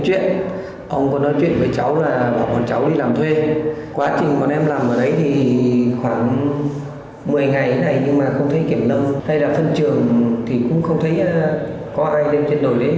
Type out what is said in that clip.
thay ra phân trường thì cũng không thấy có ai lên trên nồi để kiểm tra kết